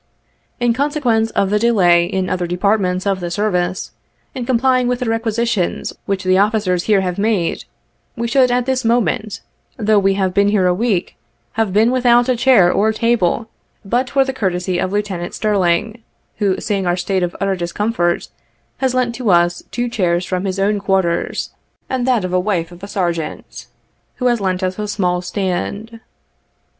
In conse quence of the delay in other departments of the service, in complying with the requisitions which the officers here have made, we should at this moment, though we have been here a week, have been without a chair or table but for the courtesy of Lieutenant Stirling, who, seeing our state of utter discomfort, has lent to us two chairs from his own quarters; and that of the wife of a Sergeant, who has lent us a small stand.